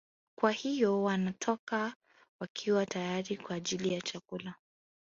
Kwa hiyo wanatoka wakiwa tayari kwa ajili ya chakula